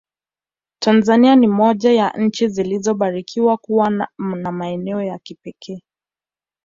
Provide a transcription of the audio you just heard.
Tanzania ni moja ya nchi zilizobarikiwa kuwa na maeneo ya kipekee